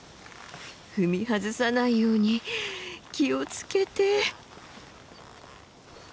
踏み外さないように気を付けて。